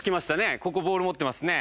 ここボール持ってますね。